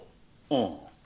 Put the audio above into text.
うん。